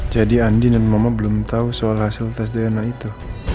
jadi andi dan mama belum tau soal hasil tes dna itu